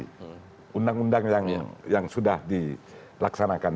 kepala tni yang sudah dilaksanakan